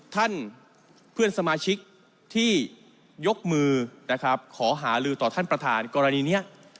ท่านเพื่อนสมาชิกที่ยกมือนะครับขอหาลือต่อท่านประธานกรณีนี้